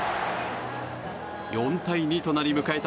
４対２となり迎えた